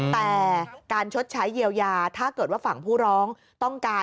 แต่การชดใช้เยียวยาถ้าเกิดว่าฝั่งผู้ร้องต้องการ